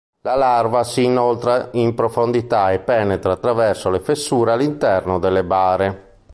La larva si inoltra in profondità e penetra attraverso le fessure all'interno delle bare.